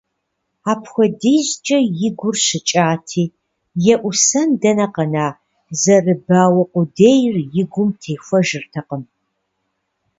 Апхуэдизкӏэ и гур щыкӏати, еӏусэн дэнэ къэна, зэрыбауэ къудейр и гум техуэжыртэкъм.